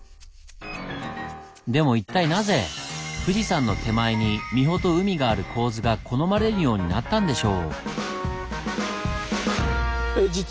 でも一体なぜ富士山の手前に三保と海がある構図が好まれるようになったんでしょう。